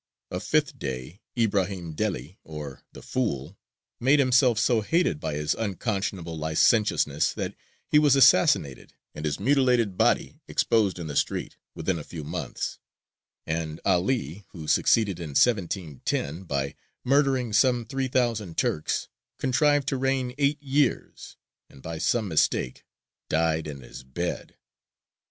A fifth Dey, Ibrahīm Deli, or "the Fool," made himself so hated by his unconscionable licentiousness that he was assassinated, and his mutilated body exposed in the street, within a few months, and 'Ali, who succeeded in 1710, by murdering some three thousand Turks, contrived to reign eight years, and by some mistake died in his bed.